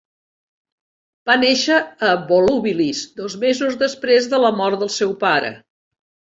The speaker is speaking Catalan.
Va néixer a Volubilis dos mesos després de la mort del seu pare.